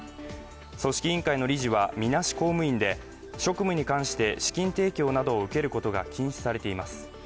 組織委員会の理事は、みなし公務員で職務に関して資金提供などを受けることが禁止されています。